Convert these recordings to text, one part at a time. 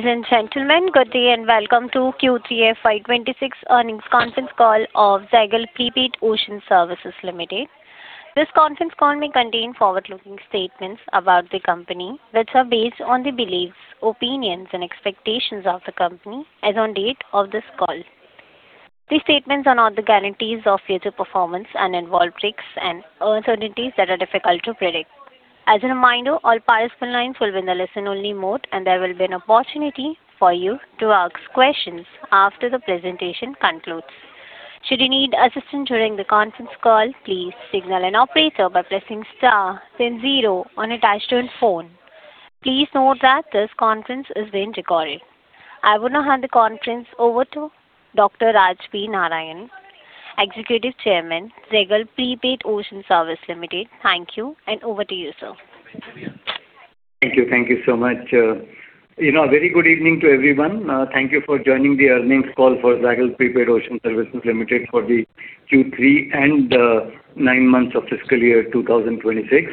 Ladies and gentlemen, good day, and welcome to Q3 FY 2026 earnings conference call of Zaggle Prepaid Ocean Services Limited. This conference call may contain forward-looking statements about the company that are based on the beliefs, opinions, and expectations of the company as on date of this call. These statements are not the guarantees of future performance and involve risks and uncertainties that are difficult to predict. As a reminder, all participant lines will be in a listen-only mode, and there will be an opportunity for you to ask questions after the presentation concludes. Should you need assistance during the conference call, please signal an operator by pressing star then 0 on a touch-tone phone. Please note that this conference is being recorded. I would now hand the conference over to Dr. Raj P. Narayanam, Executive Chairman, Zaggle Prepaid Ocean Services Limited. Thank you, and over to you, sir. Thank you. Thank you so much. You know, a very good evening to everyone. Thank you for joining the earnings call for Zaggle Prepaid Ocean Services Limited for the Q3 and nine months of fiscal year 2026.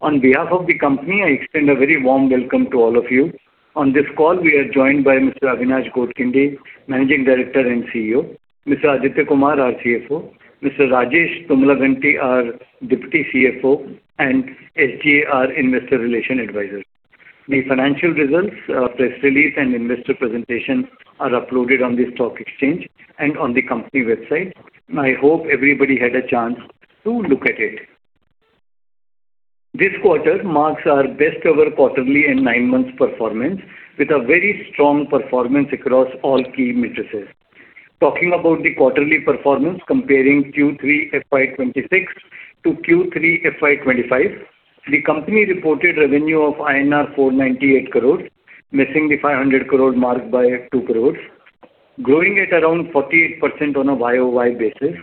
On behalf of the company, I extend a very warm welcome to all of you. On this call, we are joined by Mr. Avinash Godkhindi, Managing Director and CEO; Mr. Aditya Kumar, our CFO; Mr. Rajesh Tummalaganti, our Deputy CFO; and SGA, our Investor Relations Advisor. The financial results, press release, and investor presentation are uploaded on the stock exchange and on the company website. I hope everybody had a chance to look at it. This quarter marks our best ever quarterly and nine months performance, with a very strong performance across all key metrics. Talking about the quarterly performance, comparing Q3 FY 2026 to Q3 FY 2025, the company reported revenue of INR 498 crores, missing the 500 crore mark by 2 crores, growing at around 48% on a year-over-year basis.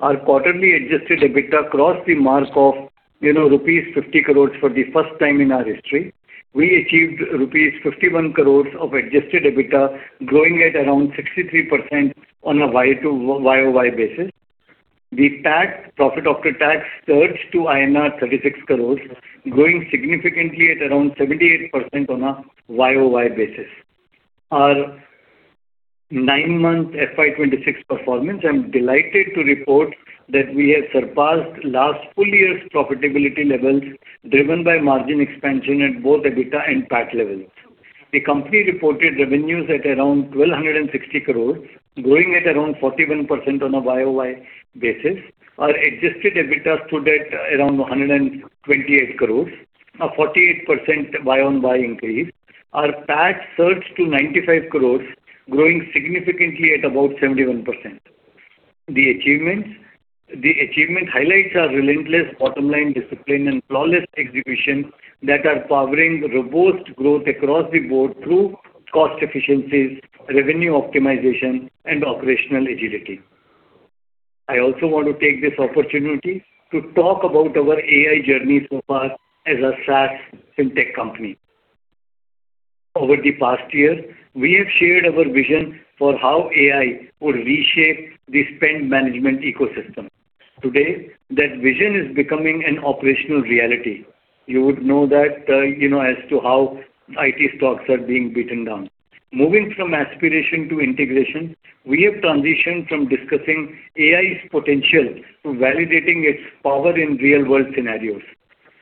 Our quarterly adjusted EBITDA crossed the mark of, you know, rupees 50 crores for the first time in our history. We achieved rupees 51 crores of adjusted EBITDA, growing at around 63% on a year-over-year basis. The PAT, profit after tax, surged to INR 36 crores, growing significantly at around 78% on a year-over-year basis. Our nine-month FY 2026 performance, I'm delighted to report that we have surpassed last full year's profitability levels, driven by margin expansion at both EBITDA and PAT levels. The company reported revenues at around 1,260 crores, growing at around 41% on a year-over-year basis. Our adjusted EBITDA stood at around 128 crore, a 48% year-over-year increase. Our PAT surged to 95 crore, growing significantly at about 71%. The achievements, the achievement highlights are relentless bottom-line discipline and flawless execution that are powering robust growth across the board through cost efficiencies, revenue optimization, and operational agility. I also want to take this opportunity to talk about our AI journey so far as a SaaS fintech company. Over the past year, we have shared our vision for how AI will reshape the spend management ecosystem. Today, that vision is becoming an operational reality. You would know that, you know, as to how IT stocks are being beaten down. Moving from aspiration to integration, we have transitioned from discussing AI's potential to validating its power in real-world scenarios.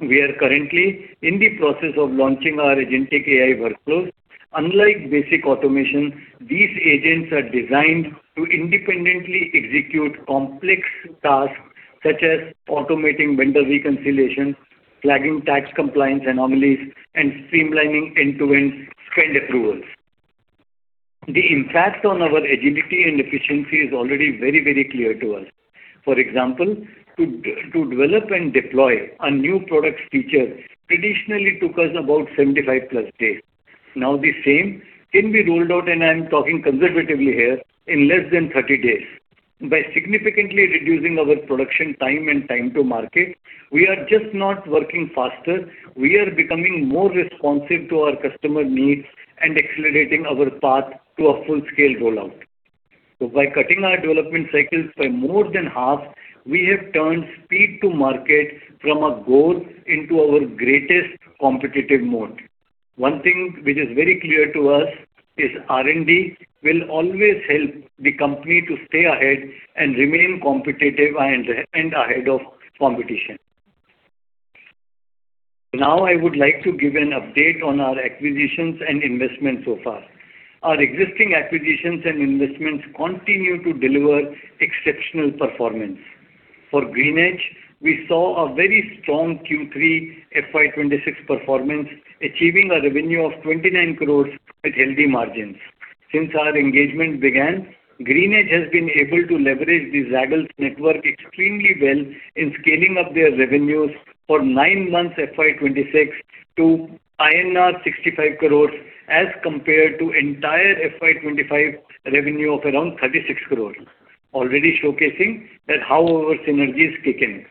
We are currently in the process of launching our Agentic AI workflows. Unlike basic automation, these agents are designed to independently execute complex tasks, such as automating vendor reconciliation, flagging tax compliance anomalies, and streamlining end-to-end spend approvals. The impact on our agility and efficiency is already very, very clear to us. For example, to develop and deploy a new product feature traditionally took us about 75+ days. Now, the same can be rolled out, and I'm talking conservatively here, in less than 30 days. By significantly reducing our production time and time to market, we are just not working faster, we are becoming more responsive to our customer needs and accelerating our path to a full-scale rollout. So by cutting our development cycles by more than half, we have turned speed to market from a goal into our greatest competitive mode. One thing which is very clear to us is R&D will always help the company to stay ahead and remain competitive and ahead of competition. Now, I would like to give an update on our acquisitions and investments so far. Our existing acquisitions and investments continue to deliver exceptional performance. For Greenedge, we saw a very strong Q3 FY26 performance, achieving a revenue of 29 crores with healthy margins. Since our engagement began, Greenedge has been able to leverage the Zaggle's network extremely well in scaling up their revenues for nine months FY26 to INR 65 crores as compared to entire FY25 revenue of around INR 36 crores, already showcasing that how our synergies kick in.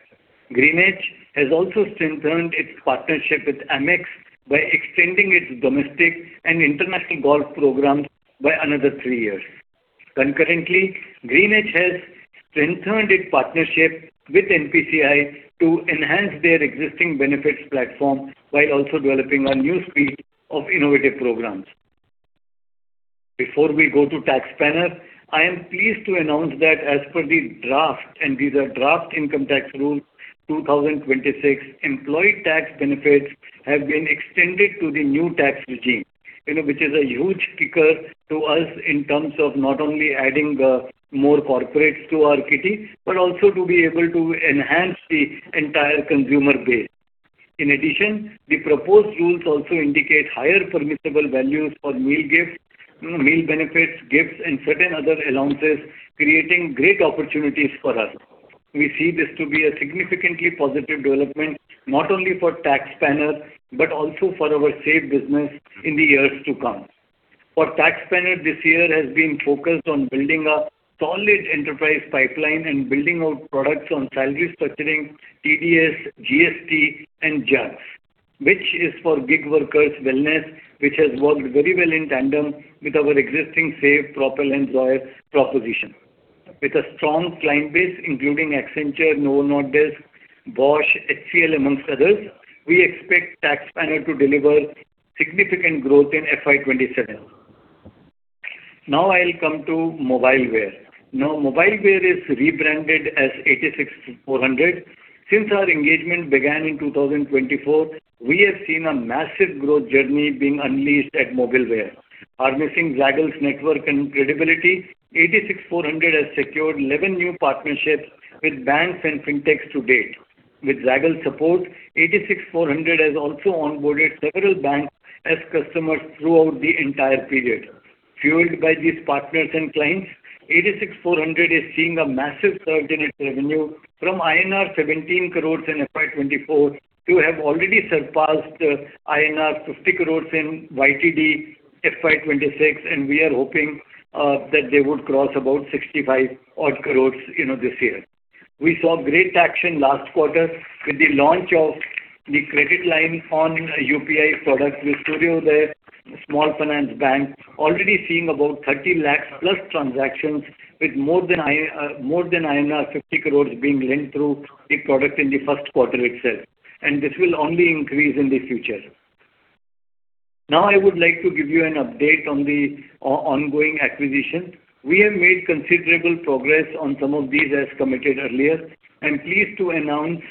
Greenedge has also strengthened its partnership with Amex by extending its domestic and international golf programs by another three years. Concurrently, Greenedge has strengthened its partnership with NPCI to enhance their existing benefits platform, while also developing a new suite of innovative programs. Before we go to TaxSpanner, I am pleased to announce that as per the draft, and these are Draft Income Tax Rules 2026, employee tax benefits have been extended to the new tax regime, you know, which is a huge kicker to us in terms of not only adding more corporates to our kitty, but also to be able to enhance the entire consumer base. In addition, the proposed rules also indicate higher permissible values for meal gifts, you know, meal benefits, gifts, and certain other allowances, creating great opportunities for us. We see this to be a significantly positive development, not only for TaxSpanner, but also for our SAVE business in the years to come. For TaxSpanner, this year has been focused on building a solid enterprise pipeline and building out products on salary structuring, TDS, GST, and JACS, which is for gig workers' wellness, which has worked very well in tandem with our existing SAVE, Propel, and Zoyer proposition. With a strong client base, including Accenture, Novo Nordisk, Bosch, HCL, among others, we expect TaxSpanner to deliver significant growth in FY 2027. Now I'll come to Mobileware. Now, Mobileware is rebranded as 86400. Since our engagement began in 2024, we have seen a massive growth journey being unleashed at Mobileware. Harnessing Zaggle's network and credibility, 86400 has secured 11 new partnerships with banks and fintechs to date. With Zaggle's support, 86400 has also onboarded several banks as customers throughout the entire period. Fueled by these partners and clients, 86400 is seeing a massive surge in its revenue from INR 17 crore in FY 2024, to have already surpassed INR 50 crore in YTD FY 2026, and we are hoping that they would cross about 65 crore, you know, this year. We saw great traction last quarter with the launch of the Credit Line on UPI product with Suryoday Small Finance Bank, already seeing about 30 lakh+ transactions with more than more than 50 crore being lent through the product in the first quarter itself, and this will only increase in the future. Now, I would like to give you an update on the ongoing acquisition. We have made considerable progress on some of these as committed earlier. I'm pleased to announce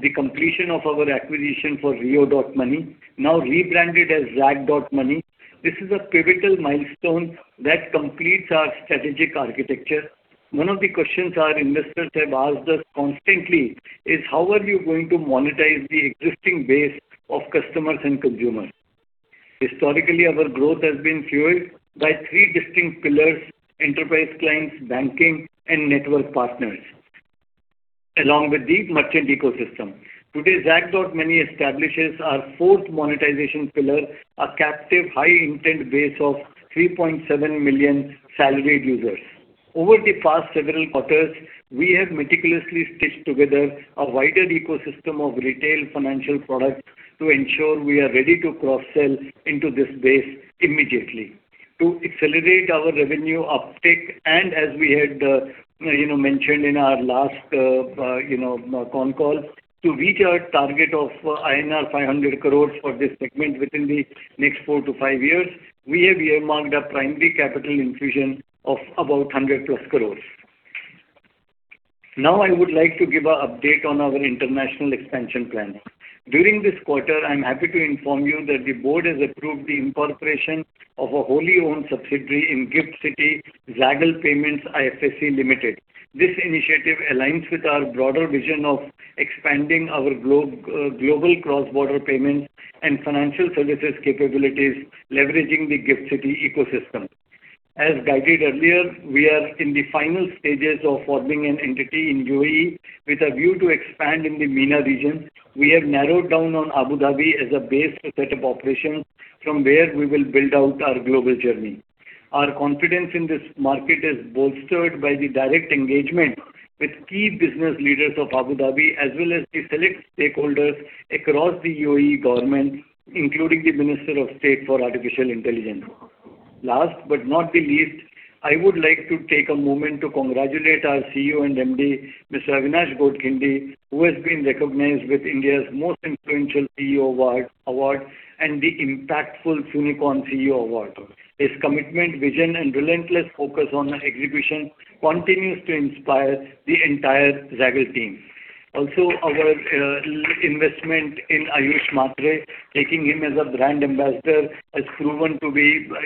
the completion of our acquisition for Rio.Money, now rebranded as Zag.Money. This is a pivotal milestone that completes our strategic architecture. One of the questions our investors have asked us constantly is: How are you going to monetize the existing base of customers and consumers? Historically, our growth has been fueled by three distinct pillars: enterprise clients, banking, and network partners, along with the merchant ecosystem. Today, Zag.Money establishes our fourth monetization pillar, a captive, high-intent base of 3.7 million salaried users. Over the past several quarters, we have meticulously stitched together a wider ecosystem of retail financial products to ensure we are ready to cross-sell into this base immediately. To accelerate our revenue uptick, and as we had, you know, mentioned in our last, you know, con call, to reach our target of INR 500 crores for this segment within the next four to five years, we have earmarked a primary capital infusion of about 100+ crores. Now, I would like to give an update on our international expansion planning. During this quarter, I'm happy to inform you that the board has approved the incorporation of a wholly-owned subsidiary in GIFT City, Zaggle Payments IFSC Limited. This initiative aligns with our broader vision of expanding our global cross-border payments and financial services capabilities, leveraging the GIFT City ecosystem. As guided earlier, we are in the final stages of forming an entity in UAE with a view to expand in the MENA region. We have narrowed down on Abu Dhabi as a base to set up operations, from where we will build out our global journey. Our confidence in this market is bolstered by the direct engagement with key business leaders of Abu Dhabi, as well as the select stakeholders across the UAE government, including the Minister of State for Artificial Intelligence. Last but not least, I would like to take a moment to congratulate our CEO and MD, Mr. Avinash Godkhindi, who has been recognized with India's Most Influential CEO Award, Award, and the impactful Unicorn CEO Award. His commitment, vision, and relentless focus on execution continues to inspire the entire Zaggle team. Also, our investment in Ayush Mhatre, taking him as a brand ambassador, has proven to be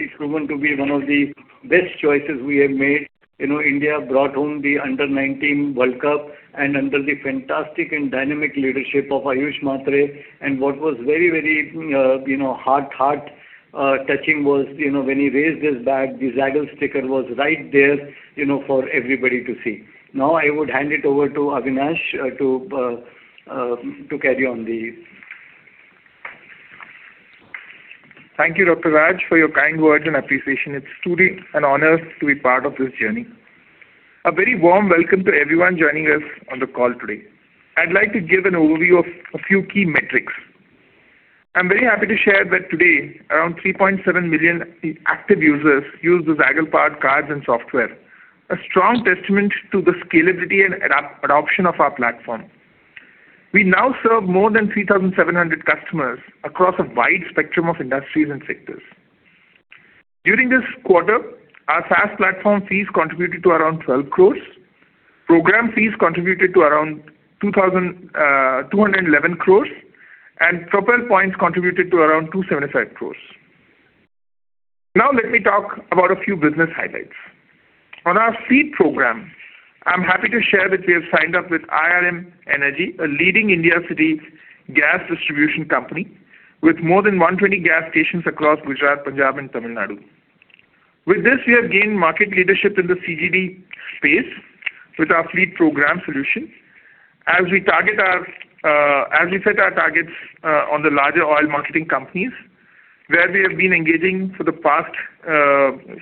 one of the best choices we have made. You know, India brought home the under-19 World Cup under the fantastic and dynamic leadership of Ayush Mhatre. And what was very, very, you know, heart touching was, you know, when he raised his bat, the Zaggle sticker was right there, you know, for everybody to see. Now, I would hand it over to Avinash to carry on the... Thank you, Dr. Raj, for your kind words and appreciation. It's truly an honor to be part of this journey. A very warm welcome to everyone joining us on the call today. I'd like to give an overview of a few key metrics. I'm very happy to share that today, around 3.7 million active users use the Zaggle card, cards, and software. A strong testament to the scalability and adoption of our platform. We now serve more than 3,700 customers across a wide spectrum of industries and sectors. During this quarter, our SaaS platform fees contributed to around 12 crore. Program fees contributed to around 2,211 crore, and Propel points contributed to around 275 crore. Now let me talk about a few business highlights. On our fleet program, I'm happy to share that we have signed up with IRM Energy, a leading Indian city gas distribution company, with more than 120 gas stations across Gujarat, Punjab, and Tamil Nadu. With this, we have gained market leadership in the CGD space with our fleet program solutions. As we target our, as we set our targets, on the larger oil marketing companies, where we have been engaging for the past,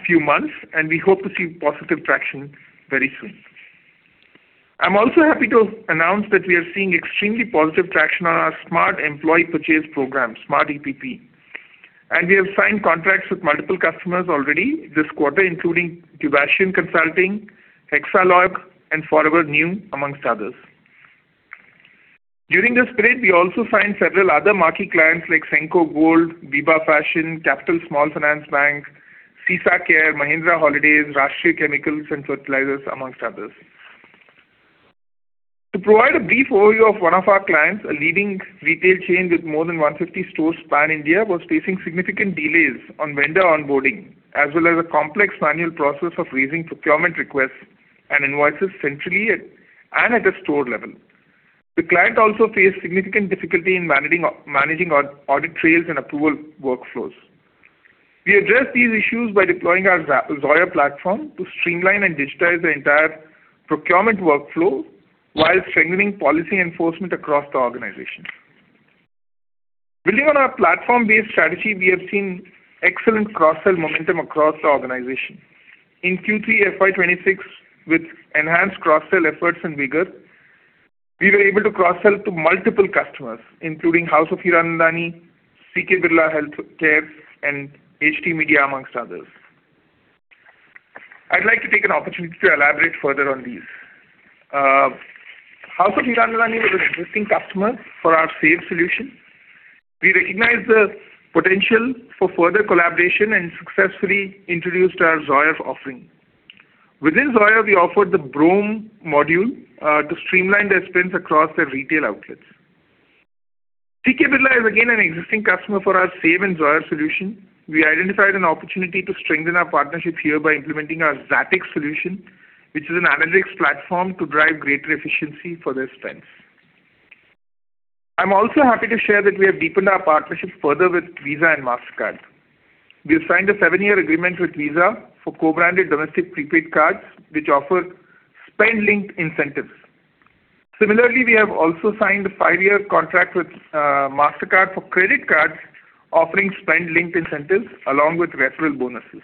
few months, and we hope to see positive traction very soon. I'm also happy to announce that we are seeing extremely positive traction on our Smart Employee Purchase Program, Smart EPP. We have signed contracts with multiple customers already this quarter, including Dubashian Consulting, Hexalog, and Forever New, amongst others. During this period, we also signed several other marquee clients like Senco Gold, Biba Fashion, Capital Small Finance Bank, Sesa Care, Mahindra Holidays, Rashtriya Chemicals and Fertilizers, amongst others. To provide a brief overview of one of our clients, a leading retail chain with more than 150 stores span India, was facing significant delays on vendor onboarding, as well as a complex manual process of raising procurement requests and invoices centrally at, and at a store level. The client also faced significant difficulty in managing audit trails and approval workflows. We addressed these issues by deploying our Zoyer platform to streamline and digitize the entire procurement workflow while strengthening policy enforcement across the organization. Building on our platform-based strategy, we have seen excellent cross-sell momentum across the organization. In Q3 FY26, with enhanced cross-sell efforts and vigor, we were able to cross-sell to multiple customers, including House of Hiranandani, CK Birla Healthcare, and HD Media, among others. I'd like to take an opportunity to elaborate further on these. House of Hiranandani was an existing customer for our SAVE solution. We recognized the potential for further collaboration and successfully introduced our Zoyer offering. Within Zoyer, we offered the Brome module, to streamline their spends across their retail outlets. CK Birla is again an existing customer for our SAVE and Zoyer solution. We identified an opportunity to strengthen our partnership here by implementing our Zatix solution, which is an analytics platform to drive greater efficiency for their spends. I'm also happy to share that we have deepened our partnerships further with Visa and Mastercard. We have signed a seven-year agreement with Visa for co-branded domestic prepaid cards, which offer spend-linked incentives. Similarly, we have also signed a five-year contract with Mastercard for credit cards, offering spend-linked incentives along with referral bonuses.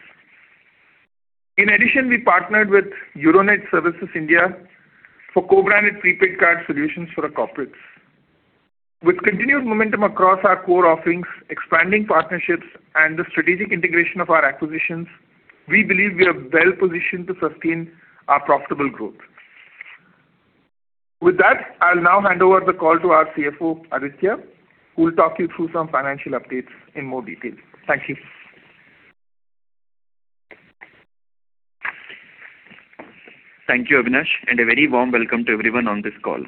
In addition, we partnered with Euronet Services India for co-branded prepaid card solutions for the corporates. With continued momentum across our core offerings, expanding partnerships, and the strategic integration of our acquisitions, we believe we are well-positioned to sustain our profitable growth. With that, I'll now hand over the call to our CFO, Aditya, who will talk you through some financial updates in more detail. Thank you. Thank you, Avinash, and a very warm welcome to everyone on this call.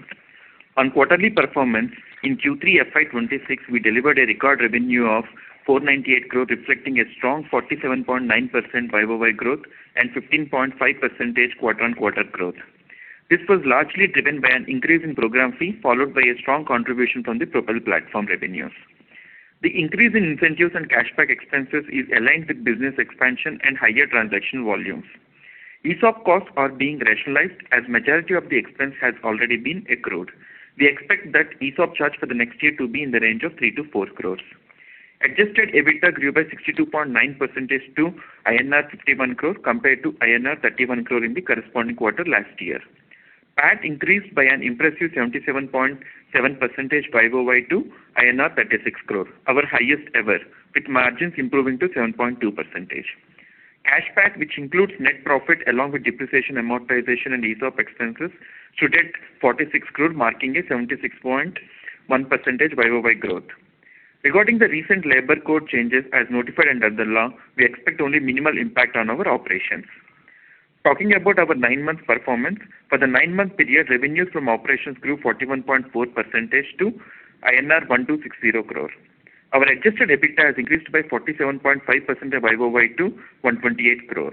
On quarterly performance, in Q3 FY 2026, we delivered a record revenue of 498 crore, reflecting a strong 47.9% year-over-year growth and 15.5% quarter-on-quarter growth. This was largely driven by an increase in program fees, followed by a strong contribution from the Propel platform revenues. The increase in incentives and cashback expenses is aligned with business expansion and higher transaction volumes. ESOP costs are being rationalized, as majority of the expense has already been accrued. We expect that ESOP charge for the next year to be in the range of 3-4 crore. Adjusted EBITDA grew by 62.9% to INR 51 crore, compared to INR 31 crore in the corresponding quarter last year. PAT increased by an impressive 77.7% year-over-year to INR 36 crore, our highest ever, with margins improving to 7.2%. Cash PAT, which includes net profit along with depreciation, amortization, and ESOP expenses, stood at 46 crore, marking a 76.1% year-over-year growth. Regarding the recent labor code changes, as notified under the law, we expect only minimal impact on our operations. Talking about our nine-month performance, for the nine-month period, revenues from operations grew 41.4% to INR 1,260 crore. Our adjusted EBITDA has increased by 47.5% year-over-year to 128 crore.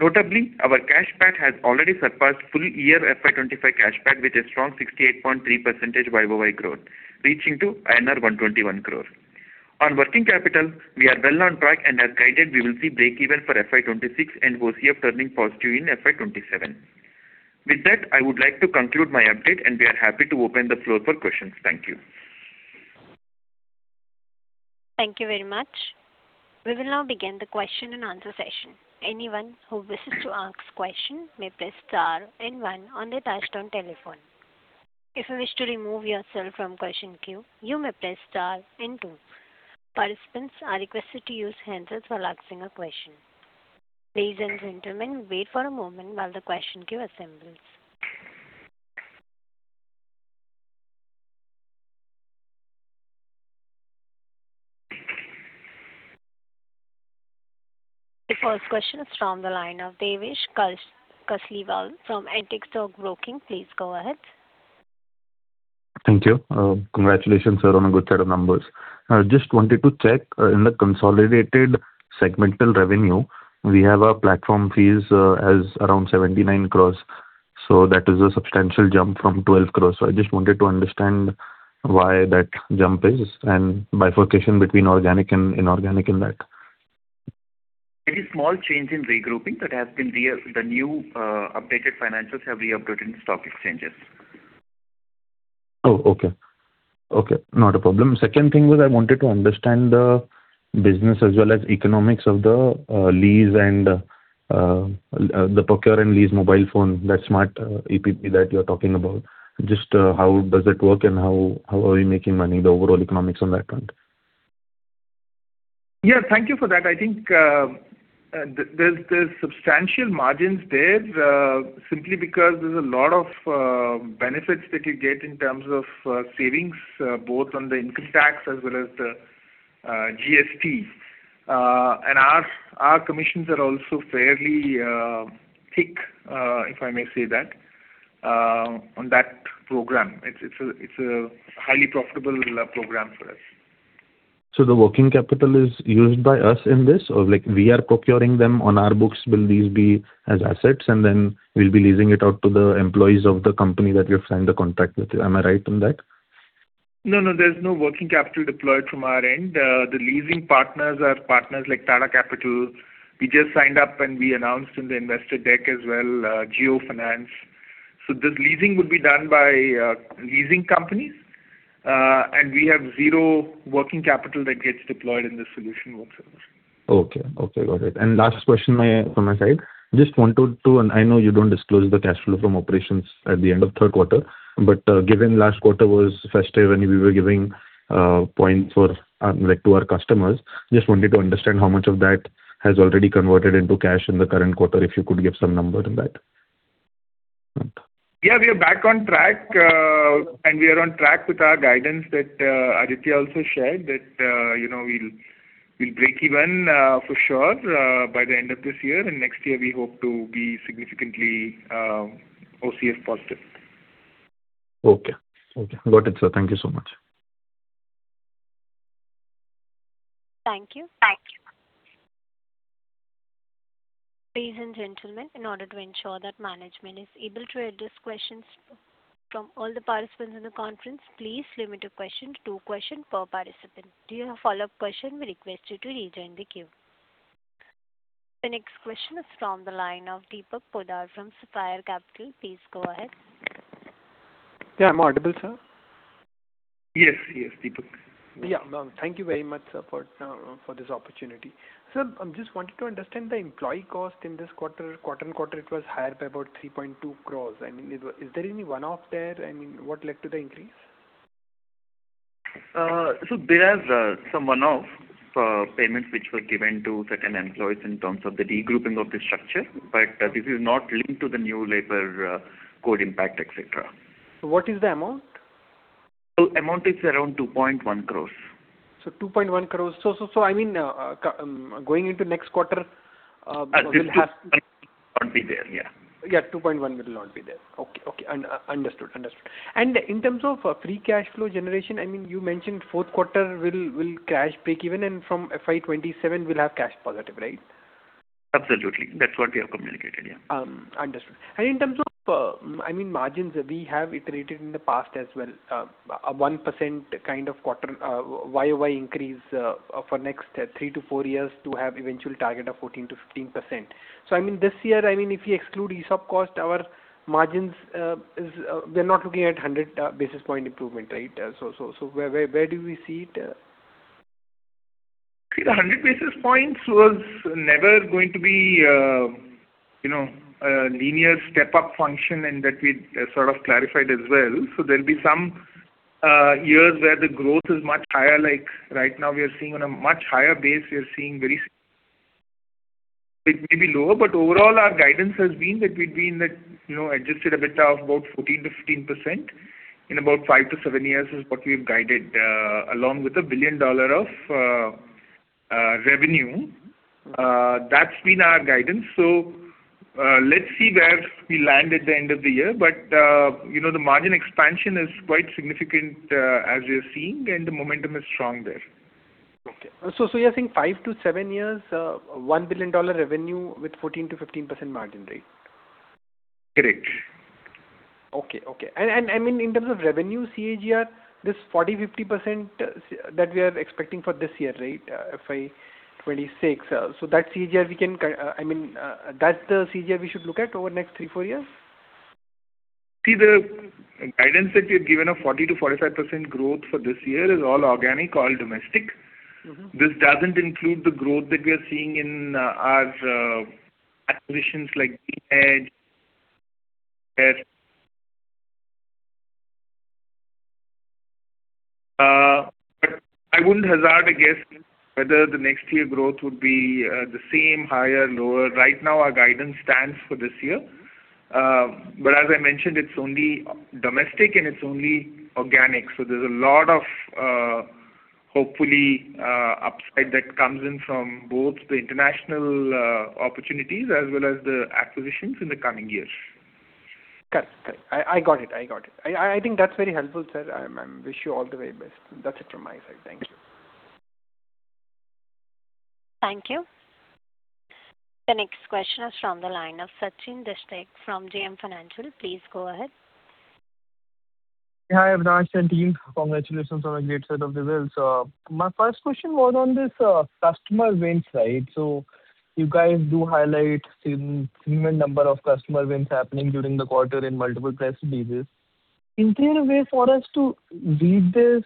Notably, our cash PAT has already surpassed full year FY 2025 cash PAT, with a strong 68.3% year-over-year growth, reaching to 121 crore. On working capital, we are well on track, and as guided, we will see breakeven for FY 2026 and OCF turning positive in FY 2027. With that, I would like to conclude my update, and we are happy to open the floor for questions. Thank you. Thank you very much. ...We will now begin the question and answer session. Anyone who wishes to ask question may press star and one on their touch-tone telephone. If you wish to remove yourself from question queue, you may press star and two. Participants are requested to use handsets while asking a question. Ladies and gentlemen, wait for a moment while the question queue assembles. The first question is from the line of Devesh Kasliwal from Antique Stock Broking. Please go ahead. Thank you. Congratulations, sir, on a good set of numbers. I just wanted to check, in the consolidated segmental revenue, we have our platform fees, as around 79 crore, so that is a substantial jump from 12 crore. So I just wanted to understand why that jump is, and bifurcation between organic and inorganic in that. Very small change in regrouping that has been re-updated. The new, updated financials have re-updated in stock exchanges. Oh, okay. Okay, not a problem. Second thing was I wanted to understand the business as well as economics of the lease and the procure and lease mobile phone, that Smart EPP that you're talking about. Just how does it work, and how are you making money, the overall economics on that front? Yeah, thank you for that. I think, there's substantial margins there, simply because there's a lot of benefits that you get in terms of savings, both on the income tax as well as the GST. And our commissions are also fairly thick, if I may say that, on that program. It's a highly profitable program for us. So the working capital is used by us in this, or like we are procuring them on our books, will these be as assets, and then we'll be leasing it out to the employees of the company that we have signed the contract with? Am I right on that? No, no, there's no working capital deployed from our end. The leasing partners are partners like Tata Capital. We just signed up, and we announced in the investor deck as well, Jio Finance. So this leasing would be done by leasing companies, and we have zero working capital that gets deployed in this solution whatsoever. Okay. Okay, got it. And last question from my side. Just wanted to, and I know you don't disclose the cash flow from operations at the end of third quarter, but, given last quarter was festive and we were giving points for, like, to our customers, just wanted to understand how much of that has already converted into cash in the current quarter, if you could give some number in that. Yeah, we are back on track, and we are on track with our guidance that Aditya also shared that, you know, we'll break even for sure by the end of this year, and next year we hope to be significantly OCF positive. Okay. Okay, got it, sir. Thank you so much. Thank you. Thank you. Ladies and gentlemen, in order to ensure that management is able to address questions from all the participants in the conference, please limit your questions to two questions per participant. If you have a follow-up question, we request you to rejoin the queue. The next question is from the line of Deepak Poddar from Sapphire Capital. Please go ahead. Yeah, am I audible, sir? Yes, yes, Deepak. Yeah. Thank you very much, sir, for this opportunity. Sir, I just wanted to understand the employee cost in this quarter. Quarter-on-quarter, it was higher by about 3.2 crores. I mean, is there any one-off there, and what led to the increase? There are some one-off payments which were given to certain employees in terms of the regrouping of the structure, but this is not linked to the new labor code impact, et cetera. What is the amount? Amount is around 2.1 crores. So 2.1 crore. I mean, going into next quarter, we'll have- Will not be there, yeah. Yeah, 2.1 crore will not be there. Okay, okay. Understood. Understood. And in terms of free cash flow generation, I mean, you mentioned fourth quarter will cash break even, and from FY 2027 will have cash positive, right? Absolutely. That's what we have communicated, yeah. Understood. In terms of, I mean, margins, we have iterated in the past as well, a 1% kind of quarter, year-over-year increase, for next three to four years to have eventual target of 14%-15%. So, I mean, this year, I mean, if you exclude ESOP cost, our margins is, we're not looking at 100 basis point improvement, right? So, where do we see it? See, the 100 basis points was never going to be, you know, a linear step-up function, and that we sort of clarified as well. So there'll be some years where the growth is much higher, like right now, we are seeing on a much higher base, we are seeing very... It may be lower, but overall, our guidance has been that we've been at, you know, Adjusted EBITDA of about 14%-15% in about five to seven years is what we've guided, along with $1 billion of revenue. That's been our guidance. So, let's see where we land at the end of the year. But, you know, the margin expansion is quite significant, as we are seeing, and the momentum is strong there. Okay. So, so you're saying five to seven years, $1 billion revenue with 14%-15% margin, right? Correct. Okay, okay. And, and, I mean, in terms of revenue CAGR, this 40%-50% that we are expecting for this year, right? FY 2026. So that CAGR we can... I mean, that's the CAGR we should look at over the next three to four years? ...See, the guidance that you've given of 40%-45% growth for this year is all organic, all domestic. This doesn't include the growth that we are seeing in, our, acquisitions like Edge. But I wouldn't hazard a guess whether the next year growth would be, the same, higher, lower. Right now, our guidance stands for this year. But as I mentioned, it's only domestic and it's only organic. So there's a lot of, hopefully, upside that comes in from both the international, opportunities as well as the acquisitions in the coming years. Got it. I got it. I got it. I think that's very helpful, sir. I wish you all the very best. That's it from my side. Thank you. Thank you. The next question is from the line of Sachin Dixit from JM Financial. Please go ahead. Hi, Avinash and team. Congratulations on a great set of results. My first question was on this, customer wins, right? So you guys do highlight significant number of customer wins happening during the quarter in multiple press releases. Is there a way for us to read this?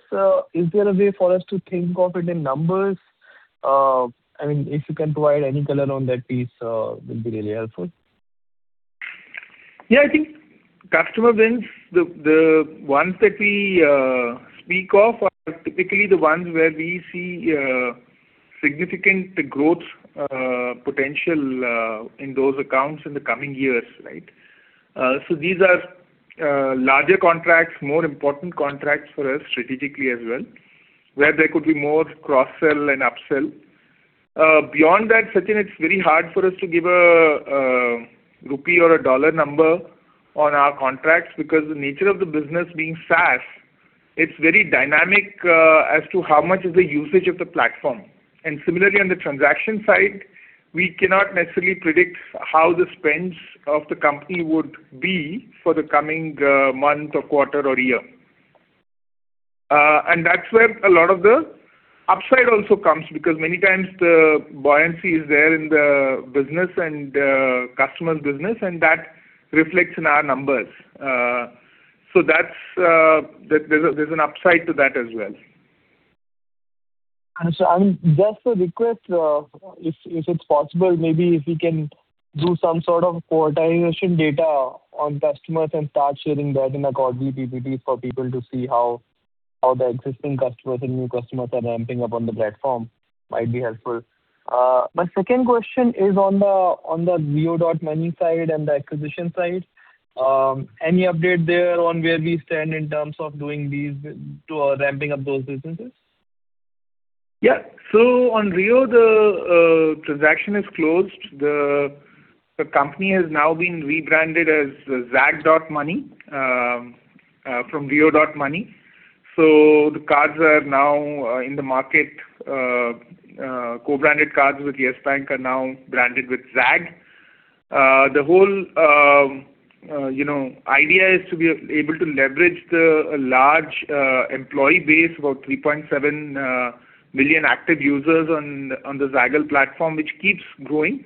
Is there a way for us to think of it in numbers? I mean, if you can provide any color on that piece, would be really helpful. Yeah, I think customer wins, the ones that we speak of are typically the ones where we see significant growth potential in those accounts in the coming years, right? So these are larger contracts, more important contracts for us strategically as well, where there could be more cross-sell and upsell. Beyond that, Sachin, it's very hard for us to give a rupee or a dollar number on our contracts, because the nature of the business being SaaS, it's very dynamic as to how much is the usage of the platform. And similarly, on the transaction side, we cannot necessarily predict how the spends of the company would be for the coming month or quarter or year. And that's where a lot of the upside also comes, because many times the buoyancy is there in the business and customer's business, and that reflects in our numbers. So that's, there's an upside to that as well. And so just a request, if it's possible, maybe if you can do some sort of quarterization data on customers and start sharing that in the call PPPs for people to see how the existing customers and new customers are ramping up on the platform, might be helpful. My second question is on the Rio.Money side and the acquisition side. Any update there on where we stand in terms of doing these to ramping up those businesses? Yeah. So on Rio, the transaction is closed. The company has now been rebranded as Zag.Money from Rio.Money. So the cards are now in the market. Co-branded cards with Yes Bank are now branded with Zag. The whole, you know, idea is to be able to leverage the large employee base, about 3.7 million active users on the Zaggle platform, which keeps growing.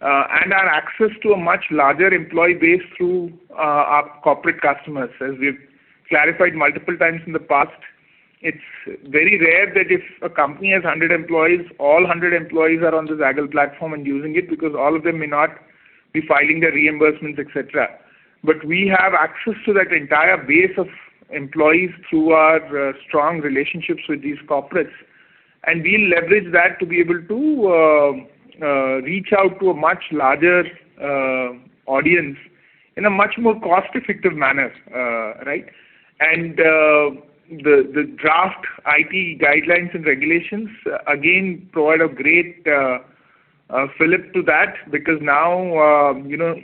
And our access to a much larger employee base through our corporate customers. As we've clarified multiple times in the past, it's very rare that if a company has 100 employees, all 100 employees are on the Zaggle platform and using it, because all of them may not be filing their reimbursements, et cetera. But we have access to that entire base of employees through our strong relationships with these corporates, and we'll leverage that to be able to reach out to a much larger audience in a much more cost-effective manner, right? And the draft IT guidelines and regulations again provide a great fillip to that, because now, you know,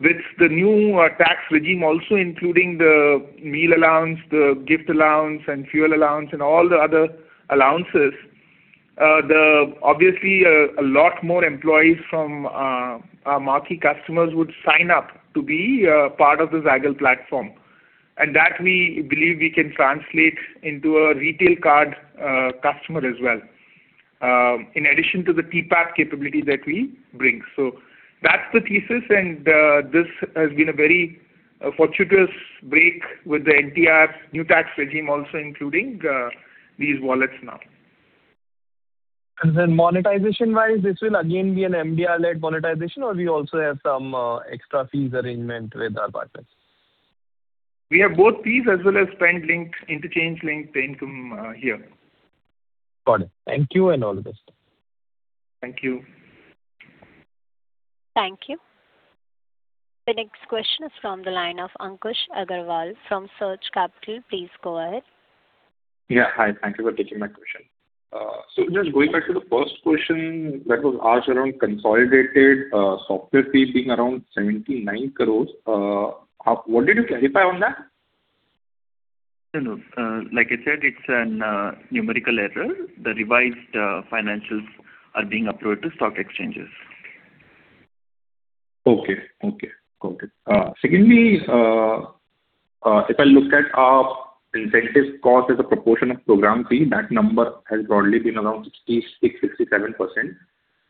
with the new tax regime also including the meal allowance, the gift allowance and fuel allowance and all the other allowances, obviously, a lot more employees from our marquee customers would sign up to be part of the Zaggle platform. And that we believe we can translate into a retail card customer as well, in addition to the TPAP capability that we bring. So that's the thesis, and this has been a very fortuitous break with the NTR new tax regime also including these wallets now. Then monetization-wise, this will again be an MDR-led monetization, or we also have some extra fees arrangement with our partners? We have both fees as well as spend link, interchange link to income, here. Got it. Thank you and all the best. Thank you. Thank you. The next question is from the line of Ankush Agrawal from Surge Capital. Please go ahead. Yeah. Hi, thank you for taking my question. So just going back to the first question that was asked around consolidated software fee being around 79 crore, what did you clarify on that? No, no. Like I said, it's an numerical error. The revised financials are being uploaded to stock exchanges. Okay. Okay, got it. Secondly,... if I look at our incentive cost as a proportion of program fee, that number has broadly been around 66%-67%.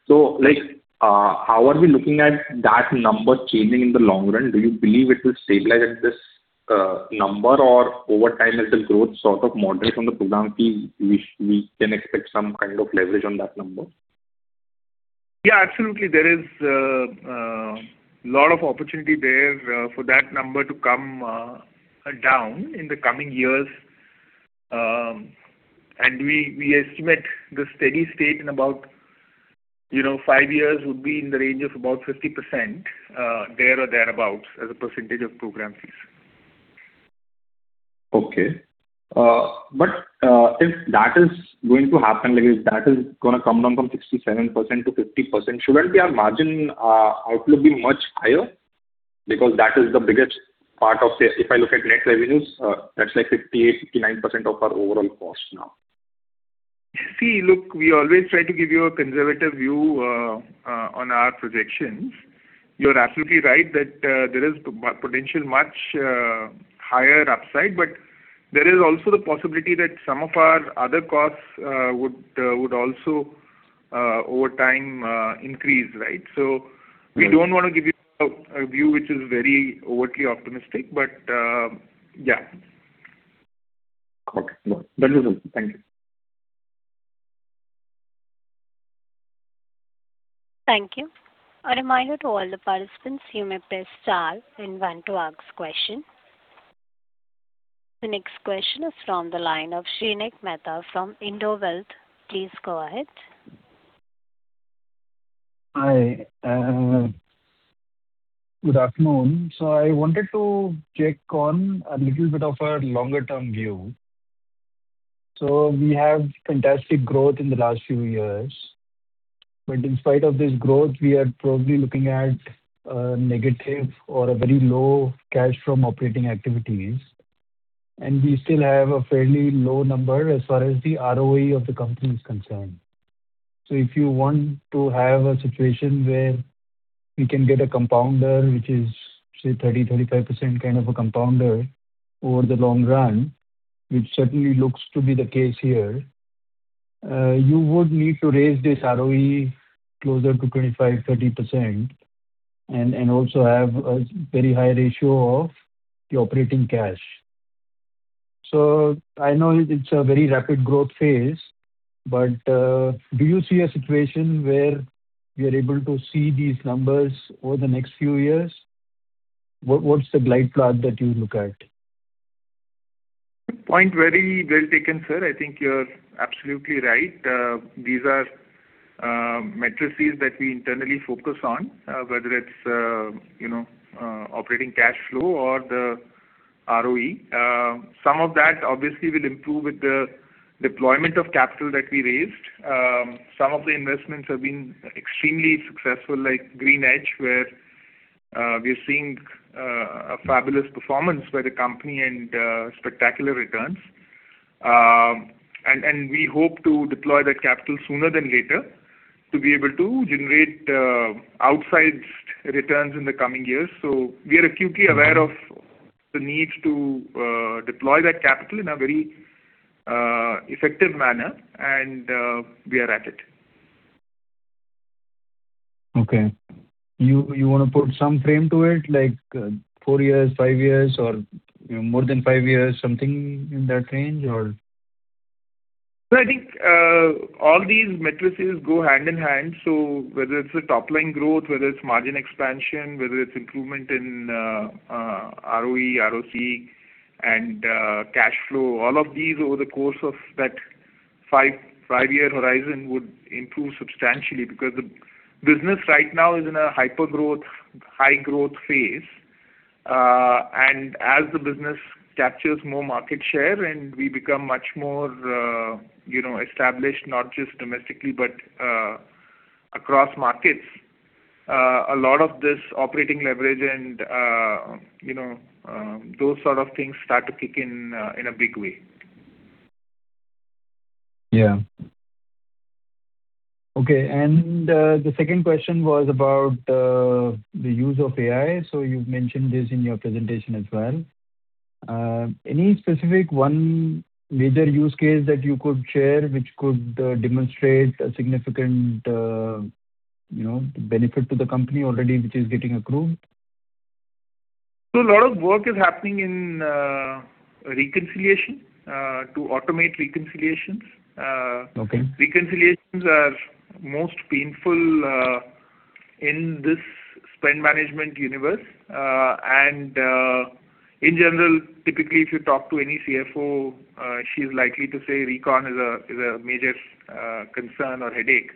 So, like, how are we looking at that number changing in the long run? Do you believe it will stabilize at this number, or over time, as the growth sort of moderate from the program fee, we can expect some kind of leverage on that number? Yeah, absolutely. There is a lot of opportunity there for that number to come down in the coming years. And we estimate the steady state in about, you know, five years would be in the range of about 50%, there or thereabouts, as a percentage of program fees. Okay. But if that is going to happen, like, if that is going to come down from 67%-50%, shouldn't our margin outlook be much higher? Because that is the biggest part of this. If I look at net revenues, that's like 58%-59% of our overall cost now. See, look, we always try to give you a conservative view on our projections. You're absolutely right that there is potential much higher upside, but there is also the possibility that some of our other costs would also over time increase, right? So we don't want to give you a view which is very overtly optimistic, but yeah. Okay. No, that is all. Thank you. Thank you. A reminder to all the participants, you may press star if you want to ask question. The next question is from the line of Shrenik Mehta from Indo Wealth. Please go ahead. Hi, good afternoon. So I wanted to check on a little bit of a longer-term view. So we have fantastic growth in the last few years, but in spite of this growth, we are probably looking at a negative or a very low cash from operating activities, and we still have a fairly low number as far as the ROE of the company is concerned. So if you want to have a situation where we can get a compounder, which is, say, 30%-35%, kind of a compounder over the long run, which certainly looks to be the case here, you would need to raise this ROE closer to 25%-30%, and, and also have a very high ratio of the operating cash. So I know it's a very rapid growth phase, but, do you see a situation where you're able to see these numbers over the next few years? What, what's the glide path that you look at? Good point. Very well taken, sir. I think you're absolutely right. These are matrices that we internally focus on, whether it's, you know, operating cash flow or the ROE. Some of that obviously will improve with the deployment of capital that we raised. Some of the investments have been extremely successful, like Greenedge, where we're seeing a fabulous performance by the company and spectacular returns. And we hope to deploy that capital sooner than later to be able to generate outsized returns in the coming years. So we are acutely aware of the need to deploy that capital in a very effective manner, and we are at it. Okay. You want to put some frame to it, like four years, five years, or more than five years, something in that range, or? So I think, all these matrices go hand in hand. So whether it's the top line growth, whether it's margin expansion, whether it's improvement in, ROE, ROC and, cash flow, all of these over the course of that five-year horizon, would improve substantially. Because the business right now is in a hyper-growth, high-growth phase, and as the business captures more market share and we become much more, you know, established, not just domestically, but across markets, a lot of this operating leverage and, you know, those sort of things start to kick in, in a big way. Yeah. Okay, and the second question was about the use of AI. So you've mentioned this in your presentation as well. Any specific one major use case that you could share, which could demonstrate a significant, you know, benefit to the company already, which is getting approved? So a lot of work is happening in reconciliation to automate reconciliations. Okay. Reconciliations are most painful in this spend management universe. And in general, typically, if you talk to any CFO, she's likely to say recon is a major concern or headache.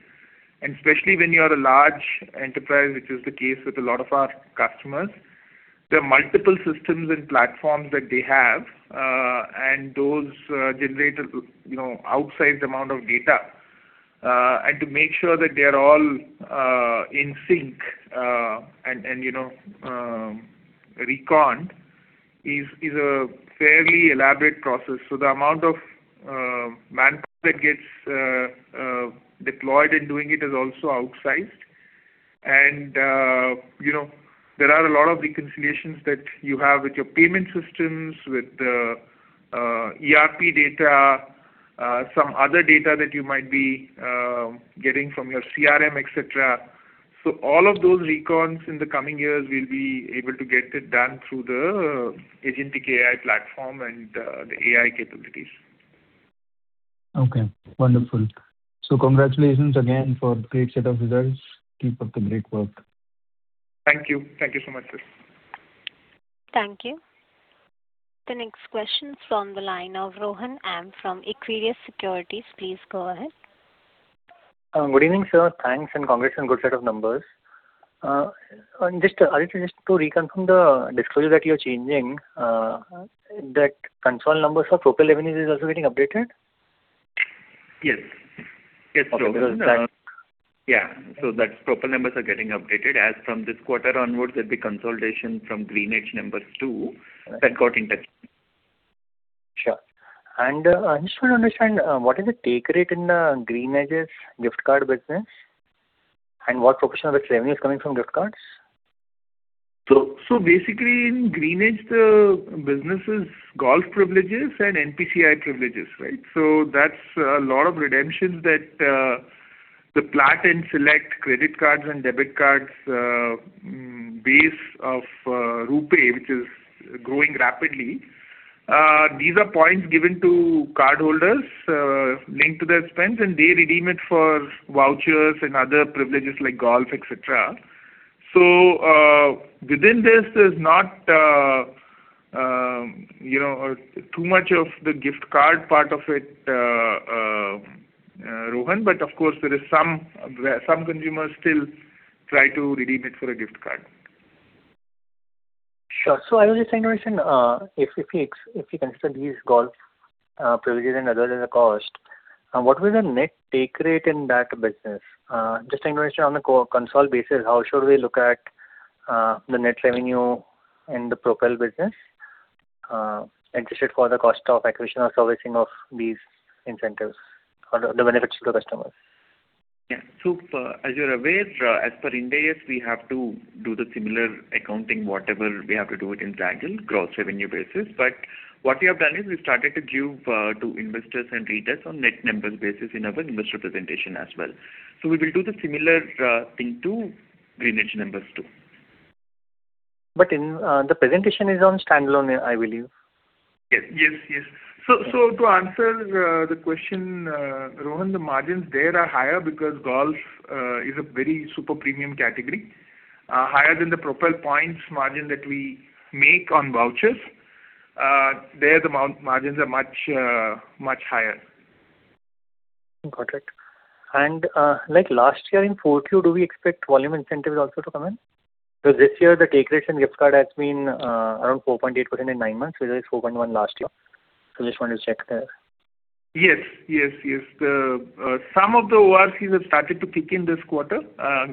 And especially when you are a large enterprise, which is the case with a lot of our customers, there are multiple systems and platforms that they have, and those generate a, you know, outsized amount of data. And to make sure that they are all in sync, and reconned, is a fairly elaborate process. So the amount of manpower that gets deployed in doing it is also outsized. And, you know, there are a lot of reconciliations that you have with your payment systems, with the ERP data, some other data that you might be getting from your CRM, et cetera. So all of those recons in the coming years, we'll be able to get it done through the agentic AI platform and the AI capabilities. Okay, wonderful. Congratulations again for the great set of results. Keep up the great work. Thank you. Thank you so much, sir. Thank you. The next question is from the line of Rohan Amp from Equirus Securities. Please go ahead. Good evening, sir. Thanks, and congrats on good set of numbers. On this, just to reconfirm the disclosure that you're changing, that consolidated numbers for Propel revenues is also getting updated? Yes. Yes, Propel- Okay. Yeah. So that Propel numbers are getting updated. As from this quarter onwards, there'll be consolidation from Greenedge numbers, too, that got integrated. Sure. I just want to understand what is the take rate in Greenedge's gift card business, and what proportion of the revenue is coming from gift cards? So basically, in Greenedge, the business is golf privileges and NPCI privileges, right? So that's a lot of redemptions that the Platinum and select credit cards and debit cards base of RuPay, which is growing rapidly. These are points given to cardholders linked to their spends, and they redeem it for vouchers and other privileges like golf, et cetera. So within this is not you know too much of the gift card part of it, Rohan, but of course, there is some, where some consumers still try to redeem it for a gift card. Sure. So I was just trying to understand if you consider these golf privileges and others as a cost, what was the net take rate in that business? Just trying to understand on a co-consol basis, how should we look at the net revenue in the Propel business, adjusted for the cost of acquisition or servicing of these incentives or the benefits to the customers? Yeah. So, as you're aware, as per India, we have to do the similar accounting, whatever we have to do it in Dragon, gross revenue basis. But what we have done is, we started to give, to investors and readers on net numbers basis in our investor presentation as well. So we will do the similar, thing to Greenedge numbers, too. But in the presentation is on standalone, I believe. Yes. Yes, yes. So, to answer the question, Rohan, the margins there are higher because golf is a very super premium category, higher than the Propel points margin that we make on vouchers. There the margins are much, much higher. Got it. And, like last year in Q4, do we expect volume incentives also to come in? Because this year the take rates in gift card has been, around 4.8% in nine months, whereas it's 4.1 last year. So just wanted to check there. Yes, yes, yes. Some of the ORCs have started to kick in this quarter.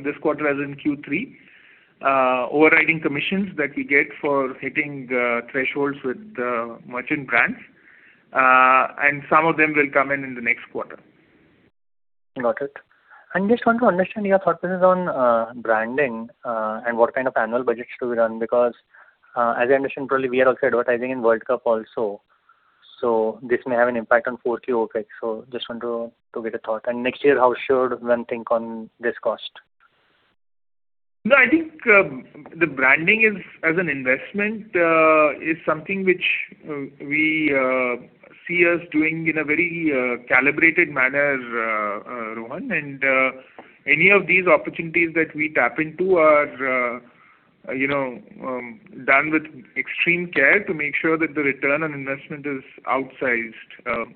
This quarter, as in Q3. Overriding commissions that we get for hitting thresholds with the merchant brands, and some of them will come in in the next quarter. Got it. And just want to understand your thought process on branding, and what kind of annual budgets to be done, because, as I understand, probably we are also advertising in World Cup also, so this may have an impact on Q4 OpEx. So just want to, to get a thought. And next year, how should one think on this cost? No, I think the branding is, as an investment, is something which we see us doing in a very calibrated manner, Rohan. And any of these opportunities that we tap into are, you know, done with extreme care to make sure that the return on investment is outsized.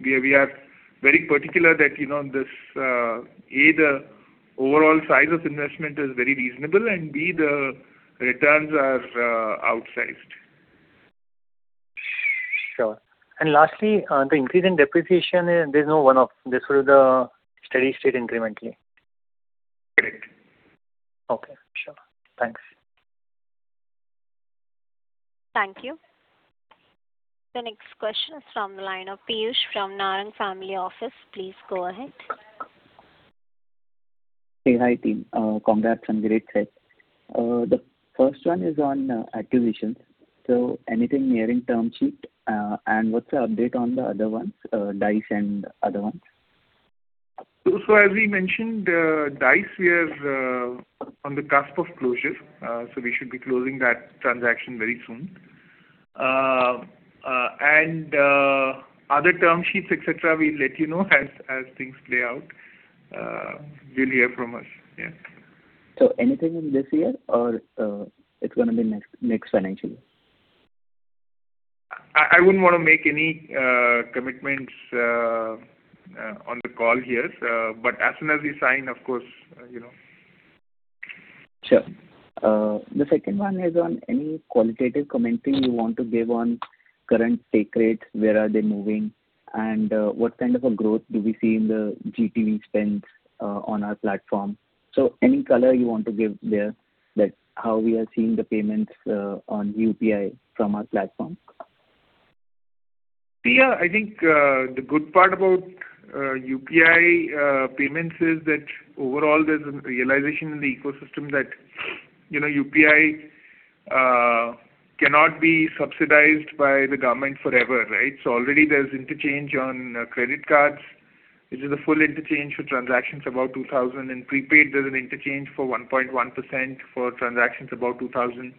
We are very particular that, you know, this, A, the overall size of investment is very reasonable, and B, the returns are outsized. Sure. And lastly, the increase in depreciation, there's no one-off. This is the steady state incrementally? Correct. Okay. Sure. Thanks. Thank you. The next question is from the line of Piyush from Narang Family Office. Please go ahead. Hey, hi, team. Congrats on great set. The first one is on acquisitions. So anything nearing term sheet? And what's the update on the other ones, Dice and other ones? So, as we mentioned, Dice, we are on the cusp of closure, so we should be closing that transaction very soon. And other term sheets, et cetera, we'll let you know as things play out. You'll hear from us. Yeah. Anything in this year or it's gonna be next, next financial year? I wouldn't want to make any commitments on the call here. But as soon as we sign, of course, you know. Sure. The second one is on any qualitative commenting you want to give on current take rates, where are they moving? And, what kind of a growth do we see in the GTV spends, on our platform? So any color you want to give there, that how we are seeing the payments, on UPI from our platform? Yeah, I think the good part about UPI payments is that overall there's a realization in the ecosystem that, you know, UPI cannot be subsidized by the government forever, right? So already there's interchange on credit cards, which is a full interchange for transactions above 2,000. In prepaid, there's an interchange for 1.1% for transactions above 2,000. And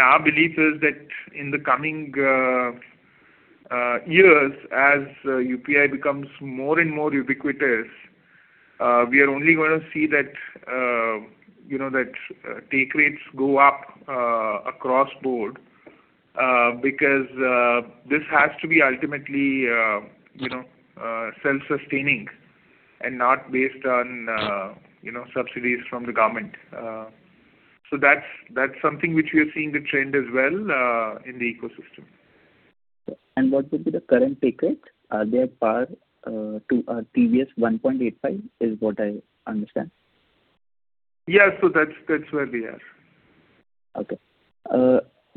our belief is that in the coming years, as UPI becomes more and more ubiquitous, we are only gonna see that, you know, that take rates go up across board. Because this has to be ultimately, you know, self-sustaining and not based on, you know, subsidies from the government. So that's something which we are seeing the trend as well in the ecosystem. What would be the current take rate? Are they par to TVs 1.85, is what I understand. Yeah. So that's, that's where we are. Okay.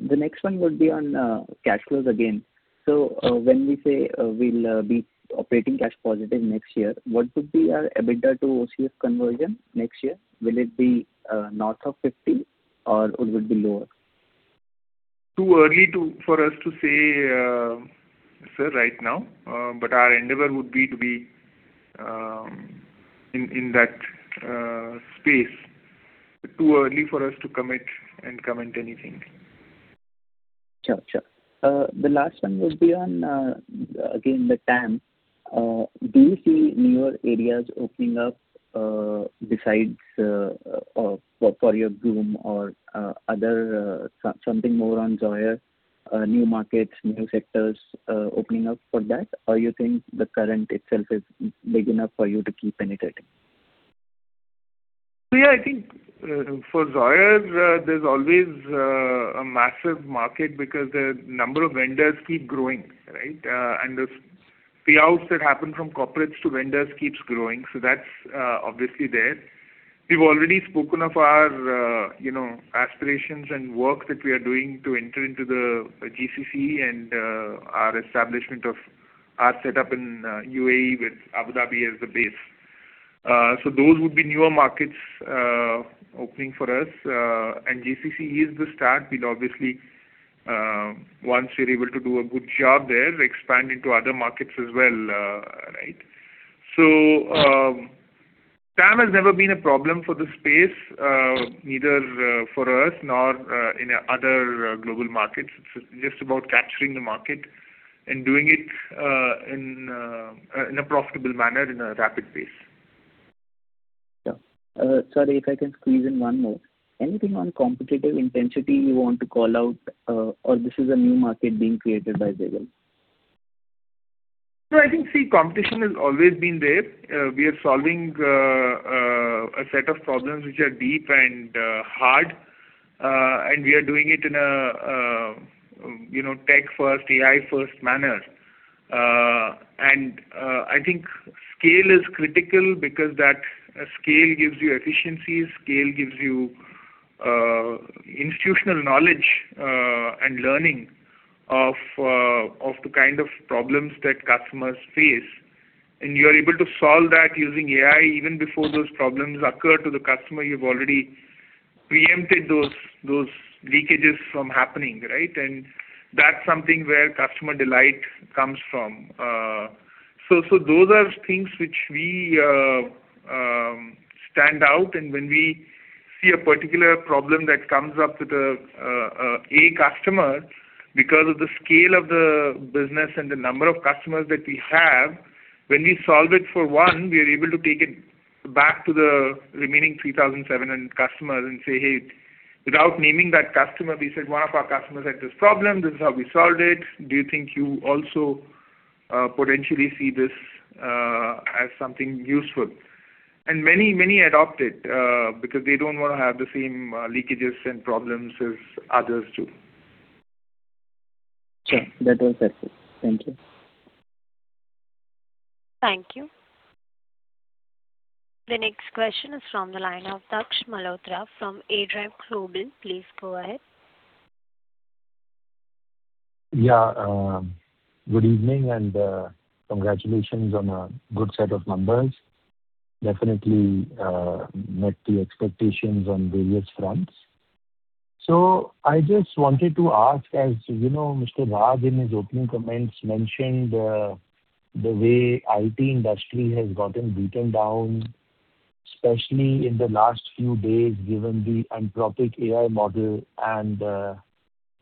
The next one would be on cash flows again. So, when we say we'll be operating cash positive next year, what would be our EBITDA to OCF conversion next year? Will it be north of 50 or would it be lower? Too early to—for us to say, sir, right now. But our endeavor would be to be, in, in that space. Too early for us to commit and comment anything. Gotcha. The last one would be on, again, the TAM. Do you see newer areas opening up, besides for your Brome or other something more on Zoyer, new markets, new sectors, opening up for that? Or you think the current itself is big enough for you to keep penetrating? Yeah, I think, for Zoyer, there's always a massive market because the number of vendors keep growing, right? And the payouts that happen from corporates to vendors keeps growing, so that's obviously there. We've already spoken of our, you know, aspirations and work that we are doing to enter into the GCC and our establishment of our setup in UAE with Abu Dhabi as the base. So those would be newer markets opening for us. And GCC is the start. We'll obviously, once we're able to do a good job there, expand into other markets as well, right? So, TAM has never been a problem for the space, neither for us nor in other global markets. It's just about capturing the market and doing it in a profitable manner in a rapid pace. Yeah. Sorry, if I can squeeze in one more. Anything on competitive intensity you want to call out, or this is a new market being created by Wipro? No, I think, see, competition has always been there. We are solving a set of problems which are deep and hard. And we are doing it in a you know, tech first, AI first manner. And I think scale is critical because that scale gives you efficiency, scale gives you institutional knowledge and learning of of the kind of problems that customers face. And you're able to solve that using AI. Even before those problems occur to the customer, you've already preempted those, those leakages from happening, right? And that's something where customer delight comes from. So those are things which we stand out, and when we see a particular problem that comes up with a customer, because of the scale of the business and the number of customers that we have, when we solve it for one, we are able to take it back to the remaining 3,700 customers and say, "Hey," without naming that customer, we say, "One of our customers had this problem, this is how we solved it. Do you think you also potentially see this as something useful?" And many, many adopt it, because they don't want to have the same leakages and problems as others do. Sure. That was it. Thank you. Thank you. The next question is from the line of Daksh Malhotra from Edelweiss Global. Please go ahead. Yeah, good evening, and, congratulations on a good set of numbers. Definitely, met the expectations on various fronts. So I just wanted to ask, as you know, Mr. Raj, in his opening comments, mentioned, the way IT industry has gotten beaten down, especially in the last few days, given the Anthropic AI model and,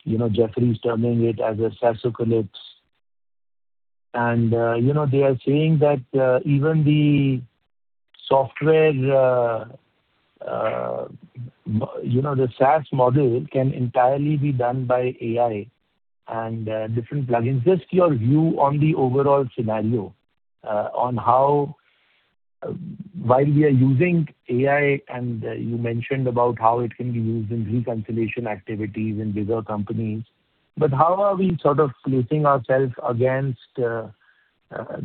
you know, Jefferies terming it as a SaaSocalypse. And, you know, they are saying that, even the software, you know, the SaaS model can entirely be done by AI and, different plugins. Just your view on the overall scenario, on how, while we are using AI, and, you mentioned about how it can be used in reconciliation activities in bigger companies, but how are we sort of placing ourselves against,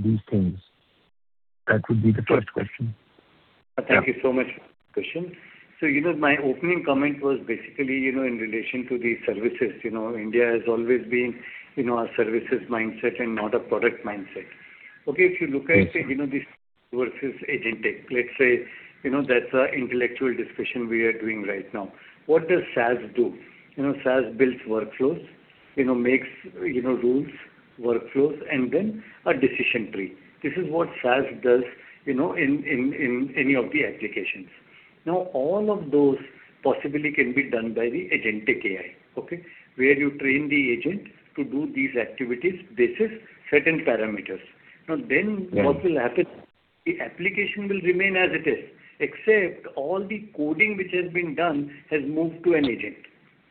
these things? That would be the first question. Thank you so much for the question. So, you know, my opening comment was basically, you know, in relation to the services. You know, India has always been, you know, a services mindset and not a product mindset. Okay, if you look at, you know, this versus Agentic. Let's say, you know, that's an intellectual discussion we are doing right now. What does SaaS do? You know, SaaS builds workflows, you know, makes, you know, rules, workflows, and then a decision tree. This is what SaaS does, you know, in any of the applications. Now, all of those possibly can be done by the Agentic AI, okay? Where you train the agent to do these activities basis certain parameters. Now, then what will happen? The application will remain as it is, except all the coding which has been done has moved to an agent.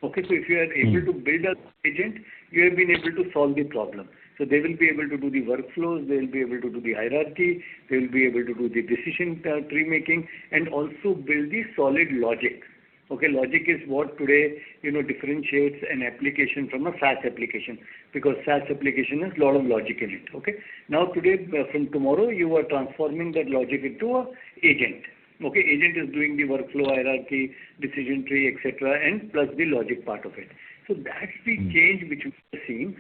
Okay, so if you are able to build an agent, you have been able to solve the problem. So they will be able to do the workflows, they will be able to do the hierarchy, they will be able to do the decision tree making, and also build the solid logic. Okay, logic is what today, you know, differentiates an application from a SaaS application, because SaaS application has a lot of logic in it, okay? Now, today, from tomorrow, you are transforming that logic into an agent. Okay, agent is doing the workflow, hierarchy, decision tree, et cetera, and plus the logic part of it. So that's the change which we are seeing.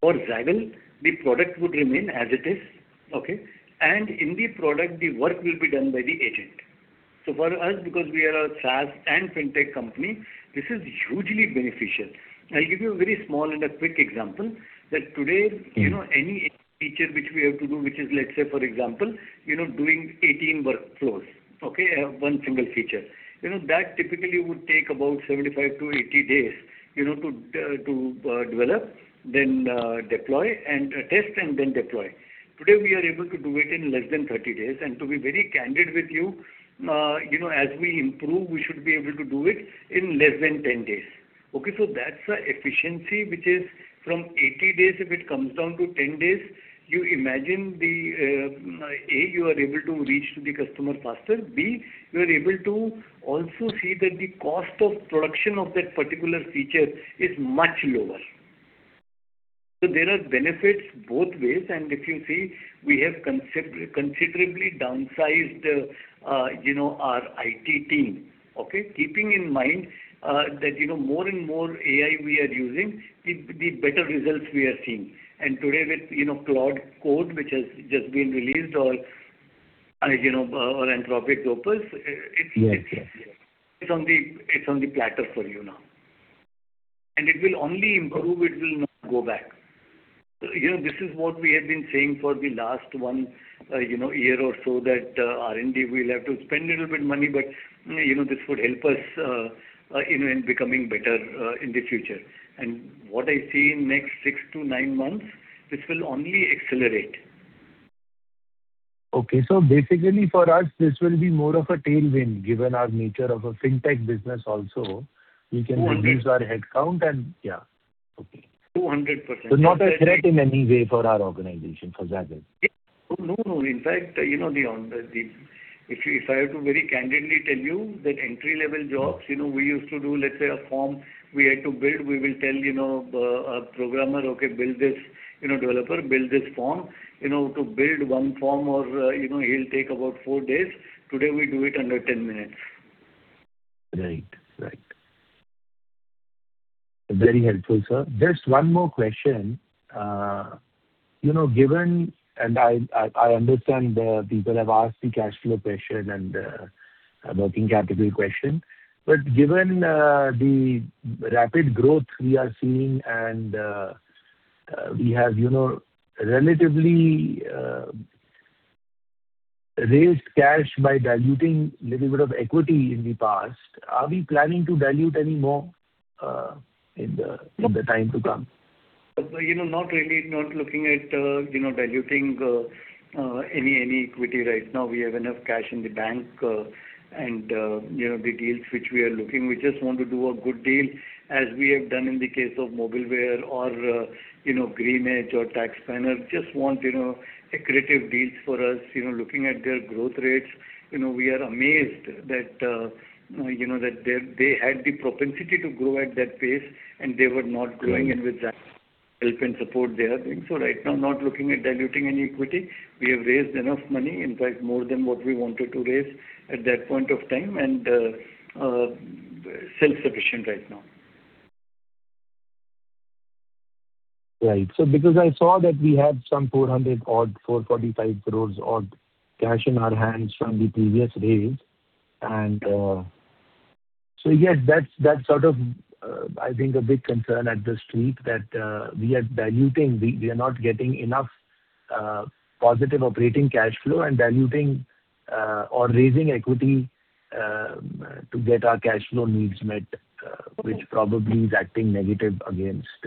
For Zaggle, the product would remain as it is, okay? And in the product, the work will be done by the agent. So for us, because we are a SaaS and Fintech company, this is hugely beneficial. I'll give you a very small and a quick example, that today, you know, any feature which we have to do, which is, let's say, for example, you know, doing 18 workflows, okay? I have one single feature. You know, that typically would take about 75-80 days, you know, to, to, develop, then, deploy and test, and then deploy. Today, we are able to do it in less than 30 days. To be very candid with you, you know, as we improve, we should be able to do it in less than 10 days. Okay, so that's a efficiency which is from 80 days, if it comes down to 10 days, you imagine the, you are able to reach to the customer faster. B, you are able to also see that the cost of production of that particular feature is much lower. So there are benefits both ways. And if you see, we have considerably downsized, you know, our IT team, okay? Keeping in mind that, you know, more and more AI we are using, the better results we are seeing. And today with, you know, Claude code, which has just been released, or, you know, or Anthropic Opus, it's- Yes. It's on the platter for you now. It will only improve, it will not go back. You know, this is what we have been saying for the last one year or so, that R&D, we'll have to spend a little bit money, but you know, this would help us in becoming better in the future. What I see in next six to nine months, this will only accelerate. Okay. So basically, for us, this will be more of a tailwind, given our nature of a fintech business also, we can reduce our headcount and... Yeah. Okay. 200%. So not a threat in any way for our organization, for Zaggle? No, no. In fact, you know, the... If I have to very candidly tell you that entry-level jobs, you know, we used to do, let's say, a form we had to build, we will tell, you know, a programmer, "Okay, build this, you know, developer, build this form." You know, to build 1 form or, you know, he'll take about four days. Today, we do it under 10 minutes. Right. Right. Very helpful, sir. There's one more question. You know, given and I understand people have asked the cash flow question and working capital question, but given the rapid growth we are seeing and we have, you know, relatively raised cash by diluting little bit of equity in the past, are we planning to dilute any more in the time to come? You know, not really, not looking at, you know, diluting any equity right now. We have enough cash in the bank, and, you know, the deals which we are looking, we just want to do a good deal, as we have done in the case of Mobileware or, you know, Greenedge or TaxSpanner. Just want, you know, accretive deals for us. You know, looking at their growth rates, you know, we are amazed that, you know, that they had the propensity to grow at that pace, and they were not growing, and with that help and support they are doing. So right now, I'm not looking at diluting any equity. We have raised enough money, in fact, more than what we wanted to raise at that point of time, and self-sufficient right now. Right. So because I saw that we had some 400 crore or 445 crore odd cash in our hands from the previous raise. And, so yes, that's, that's sort of, I think, a big concern at the street, that, we are diluting. We, we are not getting enough, positive operating cash flow and diluting, or raising equity, to get our cash flow needs met, Okay. -which probably is acting negative against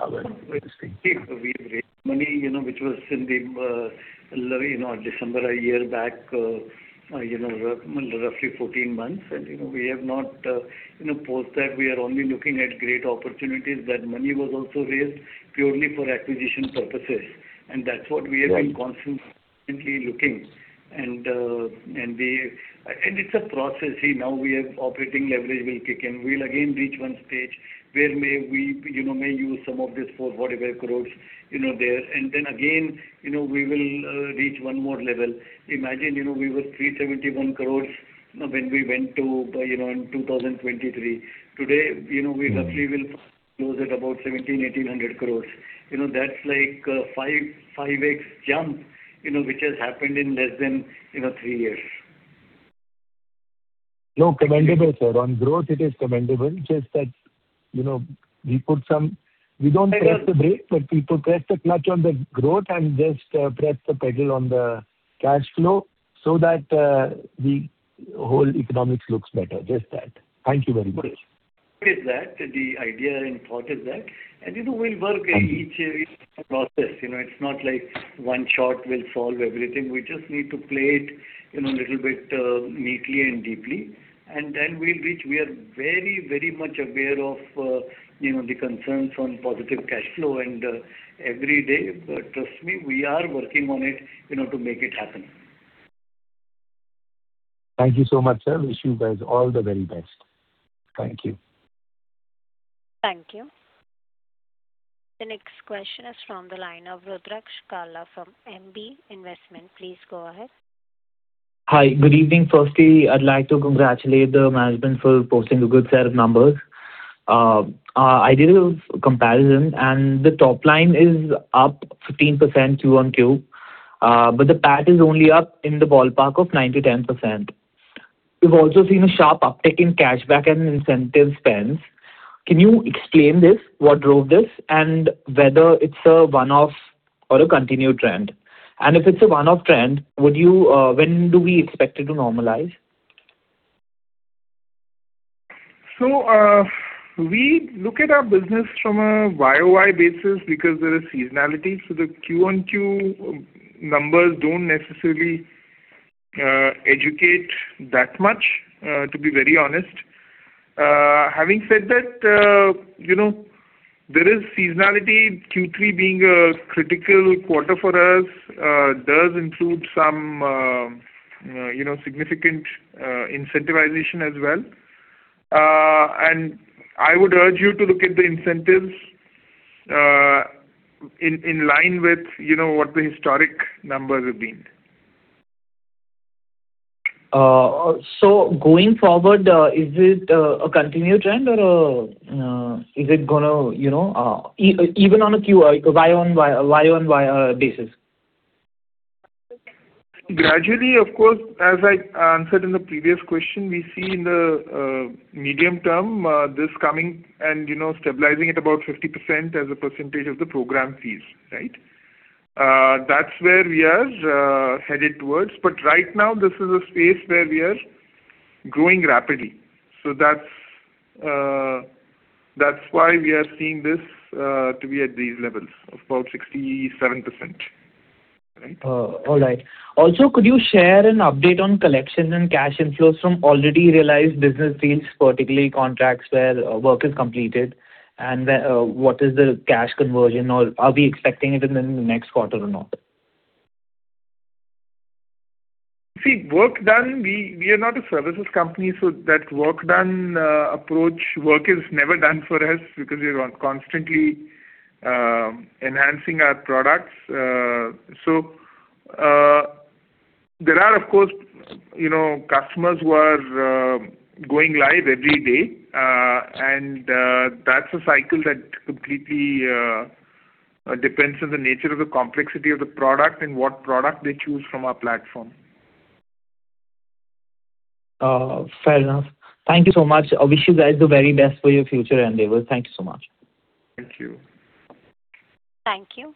our- We've raised money, you know, which was in the, you know, December, a year back, roughly 14 months. You know, we have not, you know, post that, we are only looking at great opportunities. That money was also raised purely for acquisition purposes, and that's what we have been constantly looking. And it's a process. See, now operating leverage will kick in. We'll again reach one stage where we may, you know, use some of this for whatever crores, you know, there. And then again, you know, we will reach one more level. Imagine, you know, we were 371 crore when we went to, you know, in 2023. Today, you know, we roughly will close at about 1,700-1,800 crore. You know, that's like, 5x jump, you know, which has happened in less than, you know, three years. No, commendable, sir. On growth, it is commendable. Just that, you know, we put some, we don't press the brake, but people press the clutch on the growth and just, press the pedal on the cash flow so that, the whole economics looks better. Just that. Thank you very much. Got it. The idea and thought is that, and, you know, we'll work each process. You know, it's not like one shot will solve everything. We just need to play it, you know, a little bit, neatly and deeply, and then we'll reach. We are very, very much aware of, you know, the concerns on positive cash flow, and, every day, but trust me, we are working on it, you know, to make it happen. Thank you so much, sir. Wish you guys all the very best. Thank you. Thank you. The next question is from the line of Rudraksh Kala from MB Investment. Please go ahead. Hi. Good evening. Firstly, I'd like to congratulate the management for posting a good set of numbers. I did a comparison, and the top line is up 15% quarter-on-quarter, but the PAT is only up in the ballpark of 9%-10%. We've also seen a sharp uptick in cashback and incentive spends. Can you explain this, what drove this, and whether it's a one-off or a continued trend? And if it's a one-off trend, would you, when do we expect it to normalize? So, we look at our business from a year-over-year basis because there is seasonality, so the quarter-on-quarter numbers don't necessarily educate that much, to be very honest. Having said that, you know, there is seasonality. Q3 being a critical quarter for us, does include some, you know, significant incentivization as well. I would urge you to look at the incentives, in line with, you know, what the historic numbers have been. So going forward, is it a continued trend or is it gonna, you know, even on a Q1, year-over-year, year-over-year basis? Gradually, of course, as I answered in the previous question, we see in the medium term this coming and, you know, stabilizing at about 50% as a percentage of the program fees, right? That's where we are headed towards, but right now this is a space where we are growing rapidly. So that's why we are seeing this to be at these levels, about 67%. Right? All right. Also, could you share an update on collections and cash inflows from already realized business deals, particularly contracts where work is completed, and then, what is the cash conversion, or are we expecting it in the next quarter or not? See, work done, we, we are not a services company, so that work done, approach, work is never done for us because we are constantly enhancing our products. So, there are, of course, you know, customers who are going live every day, and that's a cycle that completely depends on the nature of the complexity of the product and what product they choose from our platform. Fair enough. Thank you so much. I wish you guys the very best for your future endeavors. Thank you so much. Thank you. Thank you.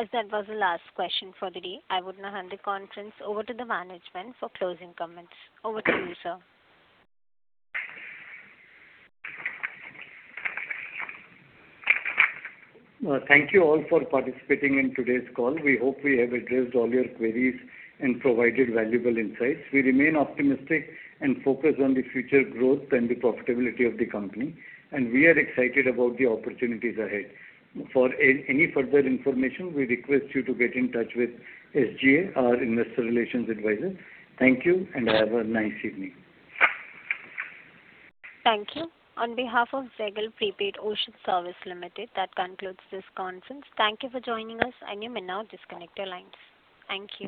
As that was the last question for the day, I would now hand the conference over to the management for closing comments. Over to you, sir. Thank you all for participating in today's call. We hope we have addressed all your queries and provided valuable insights. We remain optimistic and focused on the future growth and the profitability of the company, and we are excited about the opportunities ahead. For any further information, we request you to get in touch with SGA, our investor relations advisor. Thank you, and have a nice evening. Thank you. On behalf of Zaggle Prepaid Ocean Services Limited, that concludes this conference. Thank you for joining us, and you may now disconnect your lines. Thank you.